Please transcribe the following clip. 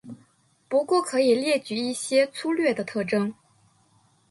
不过可以列举一些粗略的特征。